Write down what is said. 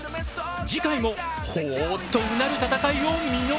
次回もほぉっとうなる戦いを見逃すな！